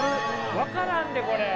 分からんで、これ。